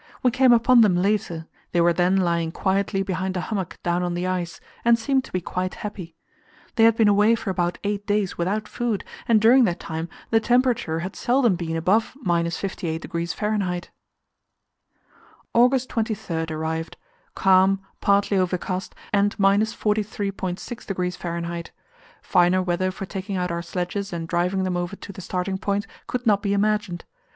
We came upon them later; they were then lying quietly behind a hummock down on the ice, and seemed to be quite happy. They had been away for about eight days without food, and during that time the temperature had seldom been above 58° F. August 23 arrived: calm, partly overcast, and 43.6°F. Finer weather for taking out our sledges and driving them over to the starting point could not be imagined.